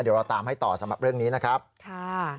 เดี๋ยวเราตามให้ต่อสำหรับเรื่องนี้นะครับค่ะ